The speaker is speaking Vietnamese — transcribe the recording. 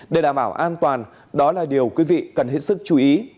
để đảm bảo an toàn đó là điều quý vị cần hết sức chú ý